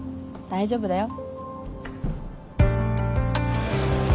大丈夫だよ